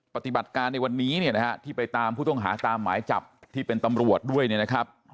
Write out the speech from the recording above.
ปฏิบัติการในวันนี้เนี่ยนะฮะที่ไปตามผู้ต้องหาตามหมายจับที่เป็นตำรวจด้วยเนี่ยนะครับ